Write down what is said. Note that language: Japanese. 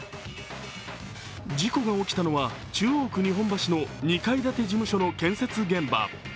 事故が起きたのは中央区日本橋の２階建て事務所の建設現場。